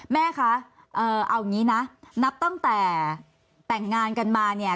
แม่คะเอาอย่างนี้นะนับตั้งแต่แต่งงานกันมาเนี่ย